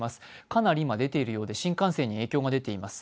かなり今、出ているようで新幹線に影響が出ています。